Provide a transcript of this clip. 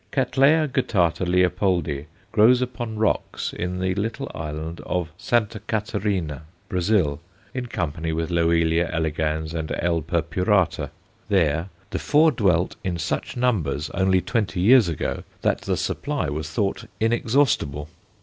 Cattleya guttata Leopoldi grows upon rocks in the little island of Sta. Catarina, Brazil, in company with Loelia elegans and L. purpurata. There the four dwelt in such numbers only twenty years ago that the supply was thought inexhaustible.